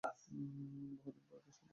বহুদিন পর দর্শন পেলাম।